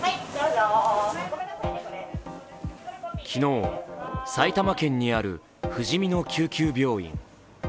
昨日、埼玉県にあるふじみの救急病院。